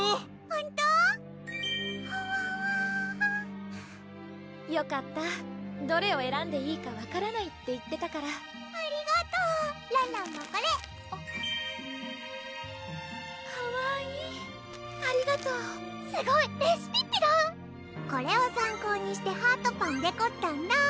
ほんと？はわわよかったどれをえらんでいいか分からないって言ってたからありがとうらんらんもこれかわいいありがとうすごいレシピッピだこれを参考にして「ハートパン」デコったんだ